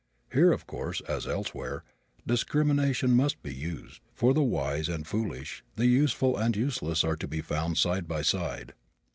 Here, of course, as elsewhere, discrimination must be used, for the wise and foolish, the useful and useless are to be found side by side.